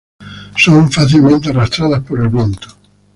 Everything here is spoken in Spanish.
Son fácilmente arrastradas por el viento.